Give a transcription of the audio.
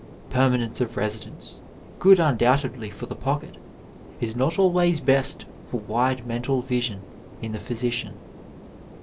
Permanence of residence, good undoubtedly for the pocket, is not always best for wide mental vision in the physician.